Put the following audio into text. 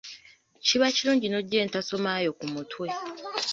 Kiba kirungi n’oggya entasoma yo ku mutwe.